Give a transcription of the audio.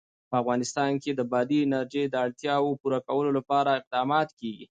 په افغانستان کې د بادي انرژي د اړتیاوو پوره کولو لپاره اقدامات کېږي.